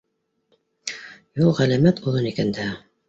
Юл ғәләмәт оҙон икән дәһә.